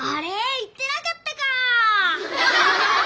言ってなかったか！